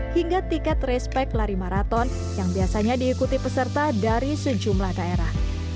hingga tiket respect lari maraton yang biasanya diikuti peserta dari sejumlah daerah